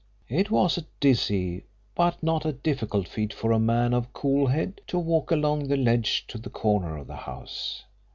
It was a dizzy, but not a difficult feat for a man of cool head to walk along the ledge to the corner of the house.